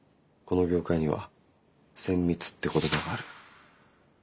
この業界には「千三つ」って言葉がある。